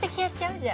じゃあ。